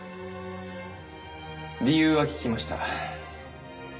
理由は聞きました。